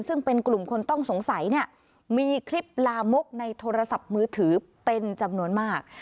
ซึ่งเป็นกลุ่มคนต้องสงสัยเนี่ยมีคลิปลามกในโทรศัพท์มือถือเป็นจำนวนมาก